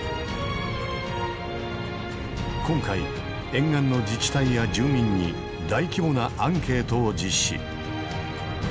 今回沿岸の自治体や住民に大規模なアンケートを実施。